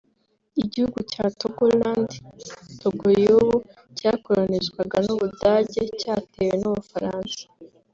Igihugu cya Togoland (Togo y’ubu) cyakoronizwaga n’u Budage cyatewe n’u Bufaransa